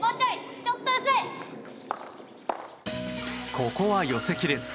ここは寄せ切れず。